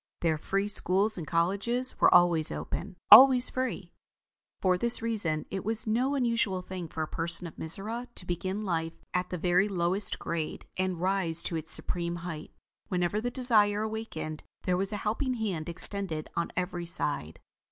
Their free schools and colleges were always open: always free. For this reason, it was no unusual thing for a person in Mizora to begin life at the very lowest grade and rise to its supreme height. Whenever the desire awakened, there was a helping hand extended on every side.